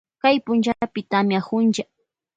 Kay punllapi tamiakunlla.